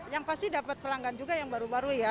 yang pasti dapat pelanggan juga yang baru baru ya